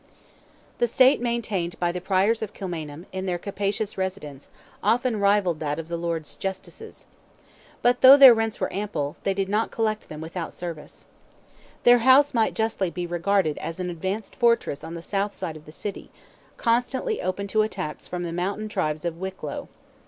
The state maintained by the Priors of Kilmainham, in their capacious residence, often rivalled that of the Lords Justices. But though their rents were ample, they did not collect them without service. Their house might justly be regarded as an advanced fortress on the south side of the city, constantly open to attacks from the mountain tribes of Wicklow.